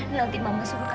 nanti mama suruh kak